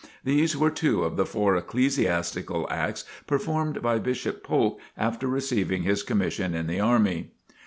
These were two of the four ecclesiastical acts performed by Bishop Polk after receiving his commission in the army.